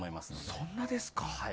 そんなですか。